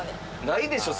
ないでしょ？